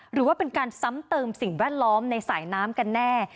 หรือว่าเป็นการซ้ำเติมสิ่งแวดล้อมในสายน้ำกันแน่